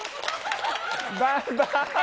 バンバン！